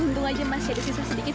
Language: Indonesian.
untung aja masih ada sisa sedikit